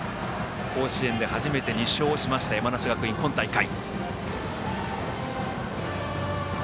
甲子園で初めて２勝をしました山梨学院、今大会。